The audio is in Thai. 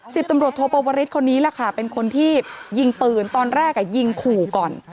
สิบตำรวจโทปวริสคนนี้แหละค่ะเป็นคนที่ยิงปืนตอนแรกอ่ะยิงขู่ก่อน